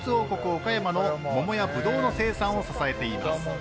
岡山のモモやブドウの生産を支えています。